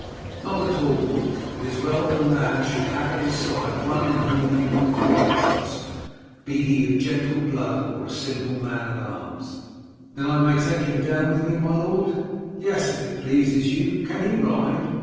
"Not at all, Wulf; it is well that a man should have at his side one in whom he can altogether trust, be he of gentle blood or simple man at arms." "Then I may take him down with me, my lord?" "Yes, if it pleases you. Can he ride?"